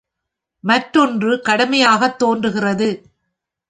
மற்றொன்று கடுமையாகத் தோன்றுகிறது.